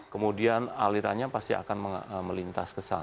kemudian alirannya pasti akan melintas kesana